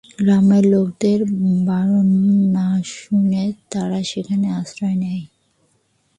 গ্রামের লোকেদের বারণ না শুনে তারা সেখানে আশ্রয় নেয়।